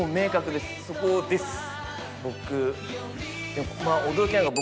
そこです。